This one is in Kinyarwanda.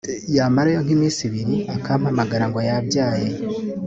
yamarayo nk’iminsi ibiri akampamagara ngo yabyaye